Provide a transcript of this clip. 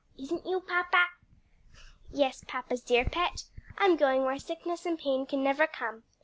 Isn't you, papa?" "Yes, papa's dear pet; I'm going where sickness and pain can never come.